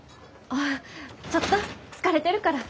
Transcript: あっちょっと疲れてるから。